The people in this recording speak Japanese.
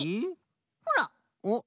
ほら。おっ。